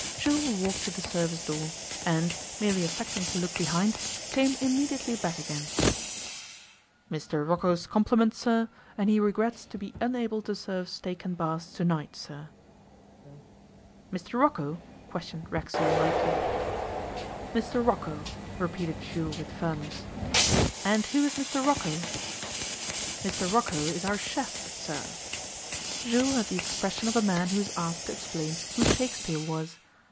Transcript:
Jules walked to the service door, and, merely affecting to look behind, came immediately back again. 'Mr Rocco's compliments, sir, and he regrets to be unable to serve steak and Bass to night, sir.' 'Mr Rocco?' questioned Racksole lightly. 'Mr Rocco,' repeated Jules with firmness. 'And who is Mr Rocco?' 'Mr Rocco is our chef, sir.' Jules had the expression of a man who is asked to explain who Shakespeare was.